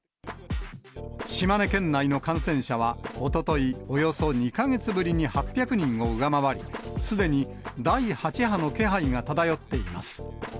島根県内の感染者は、おととい、およそ２か月ぶりに８００人を上回り、すでに第８波の気配が漂っています。